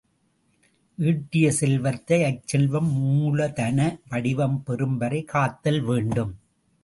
ஈட்டிய செல்வத்தை அச்செல்வம் மூலதன வடிவம் பெறும் வரை காத்தல் வேண்டும்.